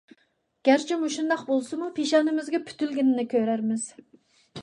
گەرچە مۇشۇنداق بولسىمۇ، پېشانىمىزگە پۈتۈلگىنىنى كۆرەرمىز.